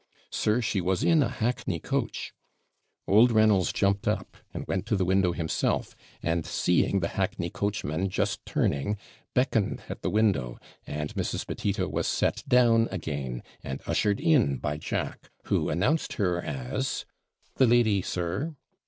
'Sir, she was in a hackney coach.' Old Reynolds jumped up, and went to the window himself, and, seeing the hackney coachman just turning beckoned at the window, and Mrs. Petito was set down again, and ushered in by Jack, who announced her as 'The lady, sir.'